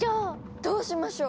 どうしましょう？